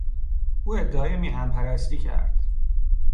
او ادعای میهن پرستی کرد.